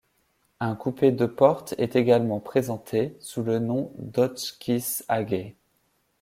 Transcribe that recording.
Un coupé deux portes est également présenté, sous le nom d'Hotchkiss Agay.